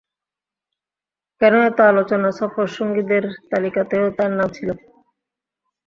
কেন এত আলোচনা সফরসঙ্গীদের তালিকাতেও তার নাম ছিল।